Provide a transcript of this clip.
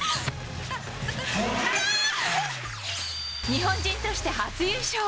日本人として初優勝。